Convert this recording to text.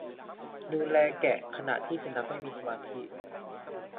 ดูแลแกะขณะที่สุนัขไม่มีสมาธิ